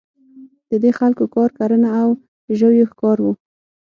د دې خلکو کار کرنه او ژویو ښکار وو.